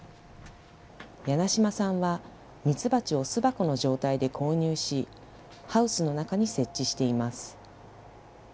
梁島さんは、ミツバチを巣箱の状態で購入し、ハウスの中に設置しています。